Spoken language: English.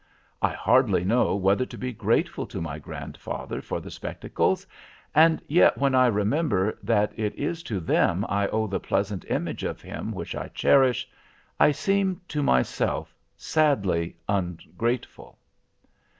I hardly know whether to be grateful to my grandfather for the spectacles; and yet when I remember that it is to them I owe the pleasant image of him which I cherish, I seem to myself sadly ungrateful.